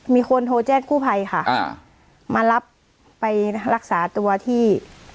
มีคนโทรแจ้งกู้ภัยค่ะอ่ามารับไปรักษาตัวที่